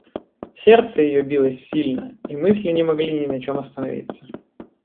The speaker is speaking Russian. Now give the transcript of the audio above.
Сердце ее билось сильно, и мысли не могли ни на чем остановиться.